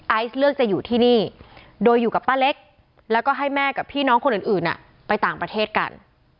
เลือกจะอยู่ที่นี่โดยอยู่กับป้าเล็กแล้วก็ให้แม่กับพี่น้องคนอื่นไปต่างประเทศกัน